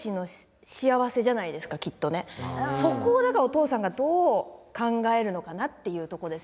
そこをだからお父さんがどう考えるのかなっていうとこですよね。